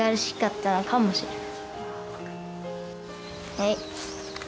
はい。